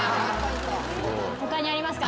他にありますか？